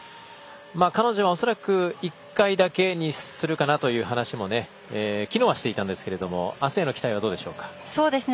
彼女は恐らく１回だけにするかなという話も昨日はしていたんですけども明日への期待はどうでしょうか。